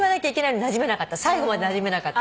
最後までなじめなかった。